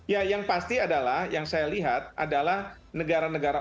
ya yang pasti adalah yang saya lihat adalah negara negara oki mendukung afrika selatan